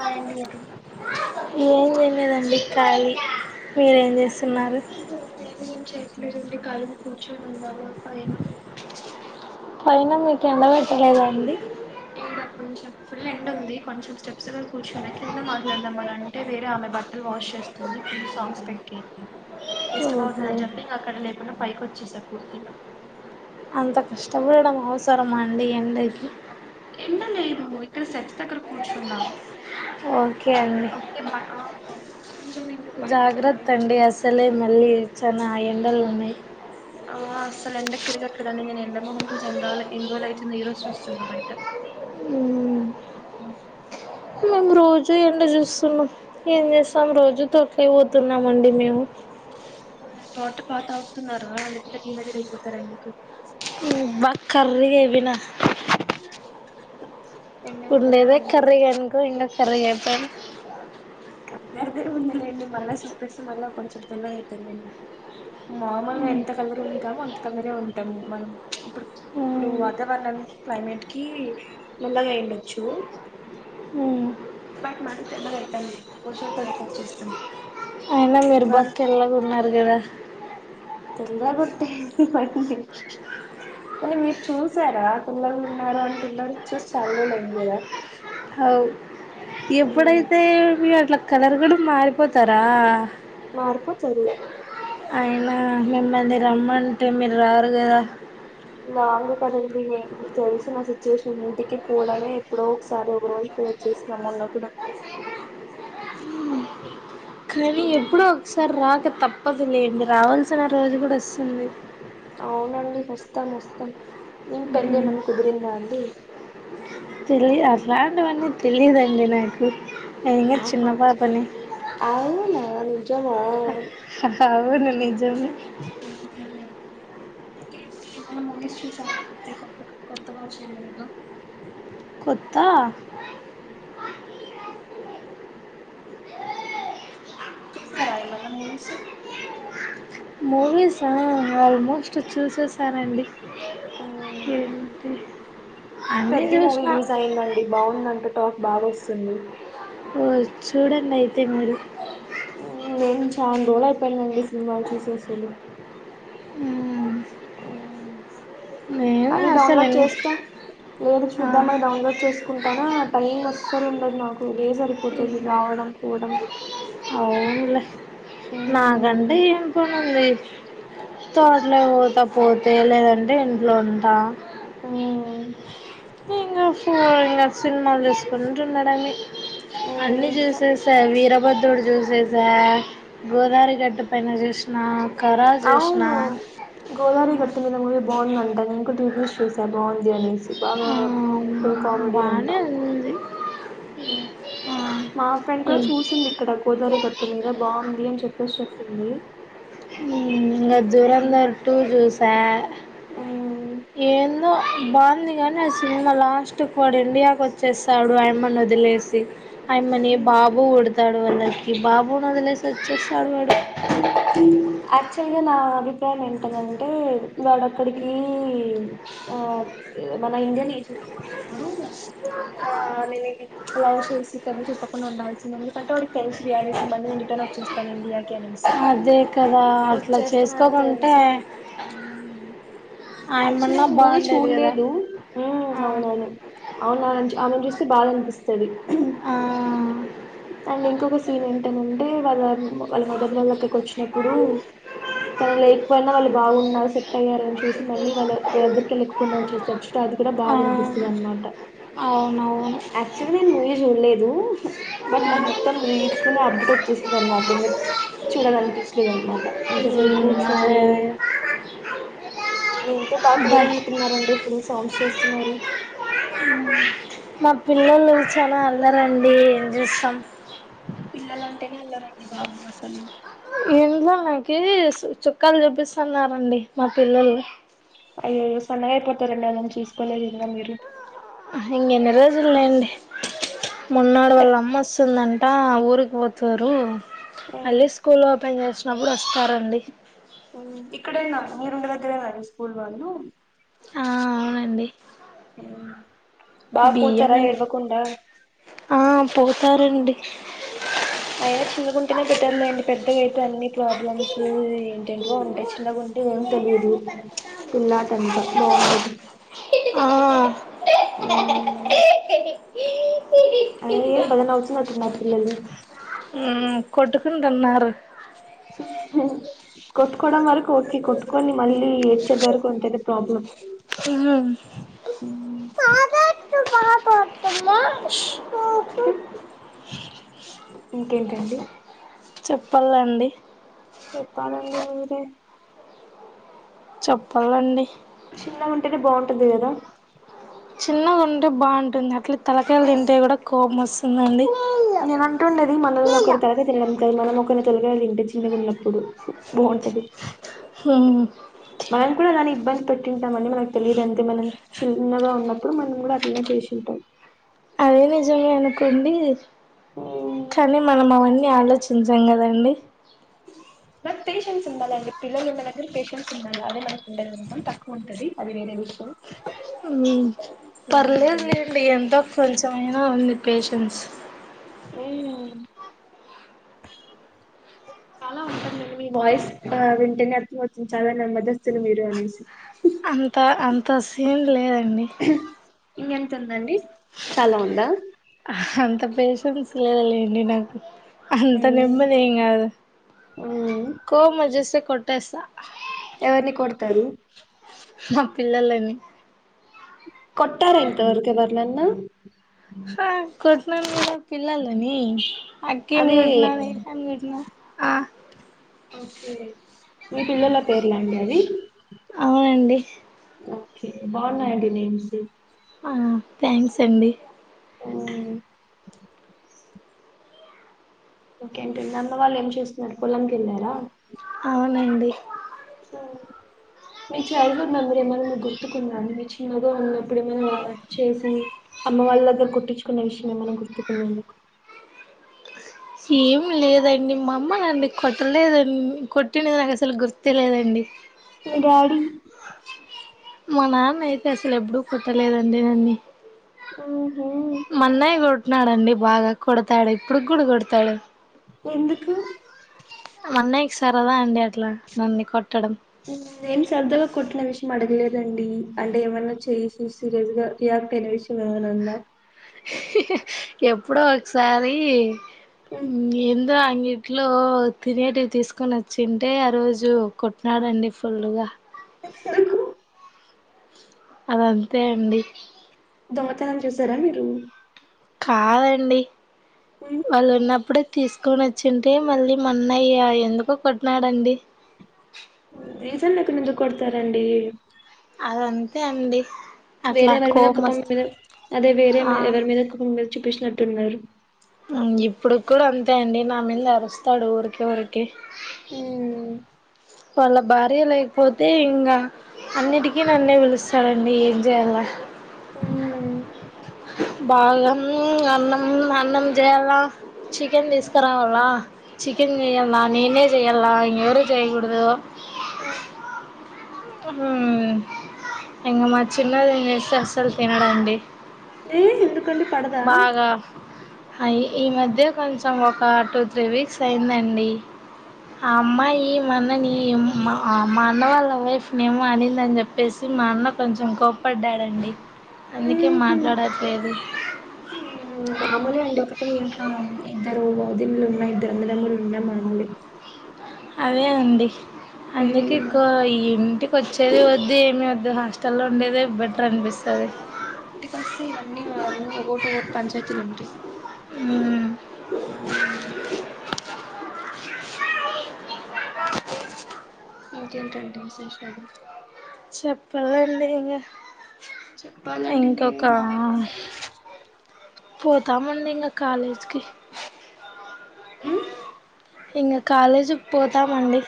Hi అండి గారు ఏం చేయట్లేదండి ఖాళీ మీర్ ఏం చేస్తున్నారు. కూర్చోనున్నవ పైన. పైన మీకు ఎండ పెట్టలేదా అండి ఇగా కొంచెం ఫుల్ ఎండ ఉంది కొంచెం స్టెప్స్ గా కూర్చున్నా కింద మాట్లాదాం అని అంటే వేరే ఆమె బట్టలు వాష్ ష్ చేస్తుంది ఫుల్ సాంగ్స్ పెట్టుకేంది ఇష్టం ఓహో అవుతుందని చెప్పి ఇంక అక్కడ లేకుండా పైకి వచ్చేసా పూర్తిగా అంత కష్టపడడం అవసరమా అండి ఎండకి ఎండ లేదు ఇక్కడ స్టెప్స్ దగ్గర కూర్చున్నా ఓకే అండి ఓకే బాయ్ ఆ ఆ జాగ్రత్త అండి అసలే మళ్ళీ చనా ఎండలు ఉన్నాయి ఆ అసలు ఎండా తిరగట్లేదండీ నేన్ ఎండ మొహం చూసి ఎన్నాళ్ల ఎన్ని రోజు లయితుందొ ఈరోజు చూస్తున బయట ఉమ్ రోజూ ఎండ చూస్తున్నాం ఏం చేస్తాం రోజు తోట్ల పోతున్నాం అండి మేము తోట పాత ఆవుతున్నారా అ మది [unintelligible] అయిపోతారు అండి మీకు ఉమ్ బాగా కర్రిగా ఐపోయిన. [inaudible] కదా ఉండేదే కర్రిగా అనుకో ఇంకా కర్రిగా అయితాం కంగారు ఉందిలేండి మళ్ళా సోప్ ఎస్తే మళ్ళా కొంచెం తేలగ అయితలేండి మామూలుగా ఎంత కలర్ ఉంటామో అంత కలరే ఉంటాము మనం ఇప్పుడు ఇప్పుడు వాతావరణం క్లైమేట్ కి నల్లగా అయిండొచ్చు హుమ్ బట్ మనకి ఎండ పెడుతంది వర్షాలు కూడా పర్చేస్తూ న్న మీరు బా తెల్లగా ఉన్నారు కదా తెల్లగా వుంటే ఏంది మేడం మీర్ అనీ మీరు చూసారా తెల్లగున్నారా అని పిల్లలు ఉన్నార అని పిల్లడి చూసి చాలా రోజులు ఐంది కదా అవ్ మ్మ్ ఎప్పుడైతే మీ అట్లా కలర్ కూడా మారిపోతారా మారిపోతరు. అయినా మిమ్మల్ని రమ్మంటే మీరు రారు కదా లాంగ్ కదండి నేకు తెలిసిన సిచ్యుయేషన్ ఇంటికి పోవడమే ఎప్పుడో ఒకసారి ఒక రోజు పో చేస్ మొన్నకను శ్వేత కానీ ఎప్పుడో ఒకసారి రాక తప్పదు లేండి రావాల్సిన రోజు కూడా వస్తుంది. అవునండి వస్తాం వస్తాం ఇం పెళ్ళి ఏమన కుదిరిందా అండి. తెల్లి అట్లాంటివన్నీ తెలిదండి నాకు నేను ఇంకా చిన్న ఆహా పాపని జమవును అవును నిజమే ఏం జెతారు ఏమన్నా మూవీ చూసారా అండి కొత్త కొత్తగా వచ్చెవి ఏవైన కొత్త చూసారా ఏమన్నా మూవీస్ మూవీస్ ఆ ఆల్మోస్ట్ చూసెస్ సరే అండి ఏమిటి పెద్ది మూవీ రిలీజ్ అయిందండి బాగుందంట టాక్ బాగా వస్తుంది ఓ చూడండి అయితే మరి నేను చాన్ రోజులు అయిపోయిందండి సినిమాలు చూసేసలు మ్మ్. అవున నేను అది అసలు డౌన్లోడ్ ఎన్- చేస్తా లేదు ఆ, చూద్దామని డౌన్లోడ్ చేస్ కుంటాన టైం అస్సలు ఉండదు నాకు వే సరిపోతుంది రావడం పోవడం. అవునులే నాకంటే మ్మ్ ఏం పన్ నుంది తోటలకు పోతా పోతే లేదంటే ఇంట్ల ఉంట మ్మ్ ఇంగ ఫోర్ ఇంగ సినిమాలు చూసుకుంట ఉండడమే అన్ని చూసేసా వీరభద్రుడు జ్యూసేసా గోదావరి గట్టు పైన చూసినా అవును గోదారి గట్ మీద మూవి బాగుంద అంట నేన్ కూడా టీబి జూష్ చూసా బాగుంది అనేసి అగో ఆ, ఫుల్ కామెడీ అంత బాగానే ఉంది ఊ ఆ, మా ఫ్రెండ్ కూడా ఇం- చూసింది ఇక్కడ గోదావరి గట్టు మీద బాగుంది అని చెప్పేసి చెప్పింది ఊ ఇంకా జుగంధర్ టు చూసా మ్మ్ సో బాగుంది కానీ ఆ సినిమా లాస్ట్ వాడు ఇండియాకు వచ్చేస్తాడు అయమను వదిలేసి అయమని బాబు వుడతాడు వాళ్ళకి బాబుని వదిలేసి వచ్చేస్తాడు వాడు ఆక్చుల్గా నా అభిప్రాయం ఏంటిదంటే వాడక్కడికి ఆ మన ఇండిని కింద పోయినపుడు ఆ నిను గిట్ లవ్ చేసి తను చెప్పకుండా ఉండాల్సింది ఎందుకంటే వాడికి తెలుసు రియాలిటీ మళ్ళి నేను రిటర్న్ వచ్చస్తాను ఇండియాకి అని. అదే కద్ వచ్చేస్తన్నాన్ తెలిసి ఆయమ్మన్నా యాక్చువల్లీ మూవీ బాగుండేది కదా చూడ్లేదు ఆ అవునవును అవును ఆమెను చూస్తే బాదనిపి పిస్తది. ఆ మళ్ళీంకొక సీన్ ఏంటంటే వాళ్ళ మ వాళ్ళ మదర్ వాళ్ళక్క కొచ్చినప్పుడు తను లేకపోయినా వాళ్ళు బాగున్నారు సెట్టయ్యారని చూసి మళ్ళీ వాళ్ళు దగ్గరికే లేకుండా [unintelligible] అది కూడా ఆ బాదనిపిస్తదనమాట అవునవును యాక్చువల్లి నేను మూవి చూడ్లేదు. దు. బట్ నాకు మొత్తం రీల్స్ అప్డేట్ మాట ఇంగ చూడాలనిపించలేదనమాట అంత సేపు ఉమ్ అదే కూర్చొని అదే. మీ ఇంట్లో బాగ బై పిల్లలున్నట్టు ఉన్నారండి. ఫుల్ సౌండ్స్ చేస్తున్నారు. మా పిల్లలు చాలా అల్లరండి. ఏం చేస్తాం. పిల్లలంటేనే అల్లరండి బాబు అసలు.. ఇంట్లో నాకి స్ చుక్కలు చూపిస్తన్నరండి మా పిల్లలు అయ్యయ్యో సన్నగయిపోతారండి ఆళ్లని చూసుకోని ఇంగా మీరు.. ఇంకేన్ని రోజుల్లెండి మన్నాడు వాల్లమ్మ వస్తుందం టా ఊరికి పోతారు. మళ్ళీ స్కూల్ ఓపెన్ చేసినప్పుడు వస్తారండి. ఇక్కడేనా మీరుండే దగ్గరేన ఈ స్కూల్ వాళ్ళు ఆ అవునండి. బాగ్ బియ్యం పోతారా అండి ఏడ్వకుండా ఆ పోతారండి. అయినా చిన్నగుంటేనే బెటర్లేండి పెద్దగైతే అన్ని క్లా.. ప్రాబ్లమ్స్ ఎంటెంటివో ఉంటాయ్ చిన్నగుంటే ఏం తెలిదు. పిల్లాటంతా బాగుంటది... ఆ అవును. ఏ పి అయ్యో ఏం నవ్వుతున్నట్టున్నారు పిల్లలు. మ్మ్ కొట్కుకుంటన్నారు. కొట్టుకోవడం వరకు ఓకే కొట్టుకోని మళ్ళీ ఏడ్చేంత వరకుంటేనే ప్రాబ్లం... మా [unintelligible] ఇంకేంటండి. చెప్పల్లండి. చెప్పాలండి మీరే. చెప్పల్లండి. తిది బాగుంటుంది కదా చిన్నగుంటే బాగుంటుంది అట్లే తలకాయలు తింటే కూడా కోపం వస్తుందండి. నేను అంటుండేది మనల్ని ఒకరి తలకాయ తినడం కాదు మనం ఒకరిని తలకాయ తింటే చిన్నగున్నప్పుడు బా ంటది. హ్మ్ మనం కూడా దానికి ఇబ్బంది పెట్టింటా మని మనకు తెలిదంతే మనం చిన్నగా ఉన్నప్పుడు మనం కూడా అట్లనే చేసింటాం. అది నిజమే అనుకోండి. కానీ మనం అవన్నీ ఆలోచించం కదండి. బట్ పేషెన్స్ ఉండాలండి పిల్లలు ఉండే దగ్గర పేషెన్స్ ఉండల్ల అదే మనకుండేది కొంచెం తక్కువంటది అది వేరే విషయం. మ్ పర్లేదులేండి ఎంతో కొంచమైనా ఉంది పేషెన్స్ ఉమ్మ్. చాలా ఉంటుంది అండి మీ వాయిస్ వింటేనే అర్థమవుతుంది చాలా నెమ్మదిస్తుదులు మీరు అనేసి అంత అంత సీన్ లేదండి. ఇంక ఎంతుందండి. అంత పేషెన్స్ లేదు లేండి నాకు అంత మ్మ్ నెమ్మది ఏం కాదు కోపం వచ్చేస్తే కొట్టేస్తా ఎవరిని కొడతారు నా పిల్లలని కొట్టార ఇంతవరకు ఎవరినన్నా ఆ కొట్టినాను కదా. పిల్లలని అక్కమి అదే కుంటటిన ఏమి కోట్టినా ఆ ఓకే మీ పిల్లల పేర్లా అండి అవి అవునండి ఓకే బాగున్నాయండి నేమ్స్ ఆ థ్యాంక్స్ అండి. ఉమ్, ఓకేంటంది అమ్మ వాళ్ళు ఏం చేస్తున్నారు పొలంకి వెళ్ళారా. అండి. ఆ మీ చైల్డ్హుడ్ మెమరీ ఏమైనా మీకు గుర్తుకుందా అండి మీ చిన్నగా ఉన్నప్పుడు ఏమైనా వాళ్ళ చేసి అమ్మ వాళ్ళ దగ్గర కోట్టించుకునే విషయమేమన్న గుర్తుకు ఉన్నదా అ ఏమి లేదండి మా అమ్మ నన్ను కొట్టలేదండి కొట్టినది నాకు అసలు గుర్తే లేదండి. డాడీ మా నాన్న అయితే అసలు ఎప్పుడూ కొట్టలేదండి నన్ని ఆ మా అన్నయ కొట్న్నాడుండి బాగా కొడతాడు ఇప్పుడుకి కూడా కొడతాడు. ఎందుకు మా అన్నయ్యకి సరదా అండి అట్లా నన్ను కొట్టడం. ఉమ్ నేను సరదాగా కొట్టిన విషయం అడగలేదండి అంటే ఏమన్నా చేసి సీరియస్ గా విషయంనందా ఎప్పుడో ఒకసారి మ్మ్. ఉం అంగట్లో తినేటివి తీసుకొని వచ్చింటే ఆ రోజు కొట్టినాడుండి ఫుల్గా రు అదంతే అండి దొంగతనం చేసారా మీరు కాదండి వాళ్ళు ఉన్నప్పుడు తీసుకొని వచ్చింటే మళ్ళీ మా అన్నయ్య ఎందుకు కొట్టినాడండి. రీజన్ లేకుండా ఎందుకు కొడతారండి. అదంతే అండి వేరే అట్లా ఎవరి మీద కోపం మీ వస్తు మీద అదే వేరే ఆ ఎవరి మీద కోపం మీ మీద చూపిచినట్టున్నారు. ఉమ్ ఇప్పుడు కూడా అంతే అండి నా మీద అరుస్తాడు ఊరికే ఊరికి ఉమ్ వాళ్ళ భార్య లేకపోతే ఇంగ అన్నిటికీ నన్నే పిలుస్తాడండి ఏం చేయాలా బాగా అన్నం అన్నం అన్నం చేయాల చికెన్ తీసుకురావాలా చికెన్ చేయల నేనే చేయల ఇం ఎవరు చేయకూడదు హ్ హ్ ఇంకా మా చిన్నది నేను చేస్తే అస్సలు తినడండి ఏ ఎందుకండి పడదా బాగా అయి ఈ మధ్య కొంచెం ఒక టూ త్రీ వీక్స్ అయిందండి. ఆ అమ్మాయి మా ఆన్నాని మా మా అన్న వాళ్ళ వైఫ్ ఏమో అనిందని చెప్పేసి మా అన్న కొంచెం కోప్పడ్డాడండి. అందుకే మాట్లాడట్లేదు మామూలు అండి ఒకటే ఇంకా ఇద్దదు ఇల్ల ఉన్నా ఇద్దరు అన్నదమ్ములు ఉన్నా మామూలే అదే అండి అందుకే కో ఇ ఇంటి వచ్చేది వద్దు ఏమి వద్దు హాస్టల్లో లో ఉండేది బేట్ ఆ ఇంటికి వస్తే ఇవన్నీ అన్నీ ఒకటి ఒకటి పంచాయతీలు ఉంటాయి. హ్ హ్ ఇంకేంటండి విశేషాలు చెప్పలాండి ఇంగ చెప్పాలండి. మీవి ఇంకొక మావేపుంటాయి ఇంకా పోతంమండి ఇంకా కాలేజ్కి ఇంగ కాలేజీకి పోతామండి.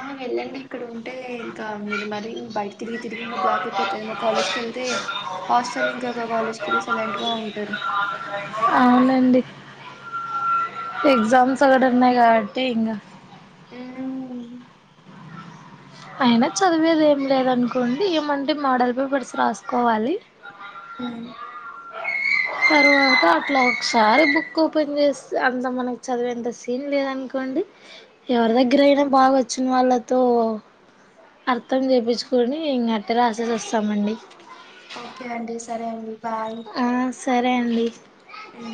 ఆ వెళ్ళండి ఇక్కడ ఉంటే ఇంకా మీరు మరీ బయట తిరిగి తిరిగి బ్లాక్ అయిపోతారు మా కాలేజ్కివెళ్తే హాస్టల్ ఇంకా కాలేజ్ అవునండి ఎగజామ్స్గడన్నాయి కాబట్టి ఇంగా హ్ అయినా చదివేది ఏం లేదనుకోండి ఏమంటే మోడల్ పేపర్స్ రాసుకోవాలి. హ్ తర్వాత అట్లా ఒకసారి బుక్ ఓపెన్ చేస్త అంత మనకి చదివేంత సీన్ లేదనుకో అండి ఎవరి దగ్గరీ అయినా బాగా వచ్చిన వాళ్ళతో అర్థం చేపించుకొని ఇంగ రాసెసి వస్తామండి. ఓకే అండి సరే అండి బాయ్ రండి హ్